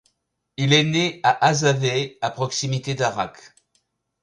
Il est né à Hazaveh, à proximité d'Arak.